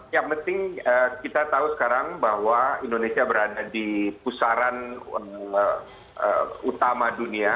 yang penting kita tahu sekarang bahwa indonesia berada di pusaran utama dunia